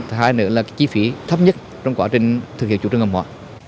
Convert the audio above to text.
thứ hai nữa là chi phí thấp nhất trong quá trình thực hiện chủ trương hàng hóa